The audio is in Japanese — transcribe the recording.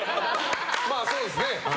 まあそうですね。